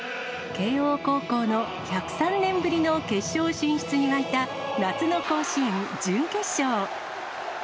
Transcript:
慶応高校の１０３年ぶりの決勝進出に沸いた夏の甲子園準決勝。